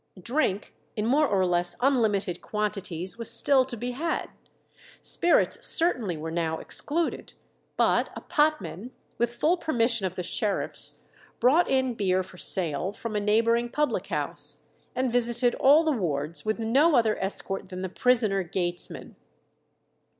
Drink, in more or less unlimited quantities, was still to be had. Spirits certainly were now excluded; but a potman, with full permission of the sheriffs, brought in beer for sale from a neighbouring public house, and visited all the wards with no other escort than the prisoner gatesman.